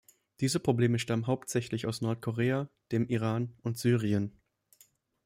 Diese Probleme stammen hauptsächlich aus Nordkorea, dem Iran und Syrien.